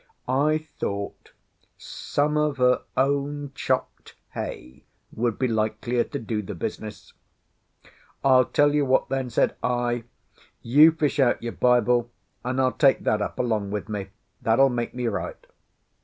I thought; some of her own chopped hay would be likelier to do the business. "I'll tell you what, then," said I. "You fish out your Bible, and I'll take that up along with me. That'll make me right."